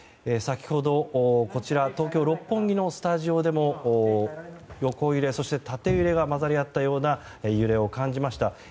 先ほど、こちら東京・六本木のスタジオでも横揺れ、そして縦揺れが混ざり合ったような揺れを感じました。